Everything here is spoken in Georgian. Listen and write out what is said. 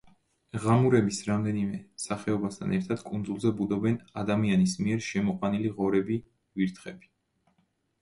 ღამურების რამდენიმე სახეობასთან ერთად კუნძულზე ბუდობენ ადამიანის მიერ შემოყვანილი ღორები, ვირთხები.